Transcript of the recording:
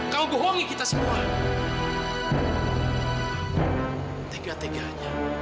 kamu tidak mau berbicara dengan kami